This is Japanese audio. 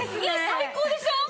最高でしょ？